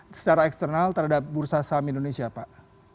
secara eksternal terhadap bursa saham indonesia pak